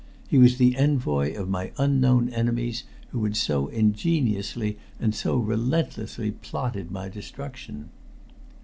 He was the envoy of my unknown enemies, who had so ingeniously and so relentlessly plotted my destruction.